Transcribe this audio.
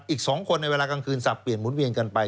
อีก๒คนในเวลากลางคืนสับเปลี่ยนหมุนเวียนกันไป